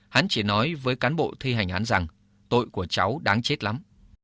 hắn chỉ nói với cán bộ thi hành án rằng tội của cháu đáng chết lắm